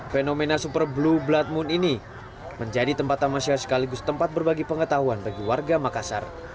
fenomena super blue blood moon ini menjadi tempat tamasya sekaligus tempat berbagi pengetahuan bagi warga makassar